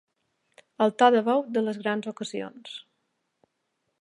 El to de veu de les grans ocasions.